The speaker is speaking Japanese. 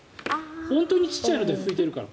本当にちっちゃいので拭いてるから。